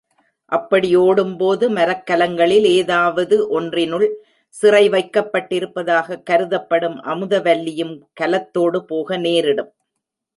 அப்படி ஓடும்போது மரக்கலங்களில் ஏதாவது ஒன்றினுள் சிறை வைக்கப்பட்டிருப்பதாகக் கருதப்படும் அமுதவல்லியும் கலத்தோடு போக நேரிடும்.